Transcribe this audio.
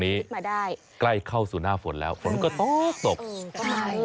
ติดตามทางราวของความน่ารักกันหน่อย